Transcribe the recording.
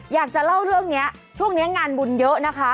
อยากจะเล่าเรื่องนี้ช่วงนี้งานบุญเยอะนะคะ